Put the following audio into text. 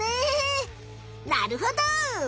なるほど。